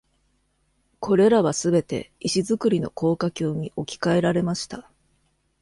これらはすべて、石造りの高架橋に置き換えられました。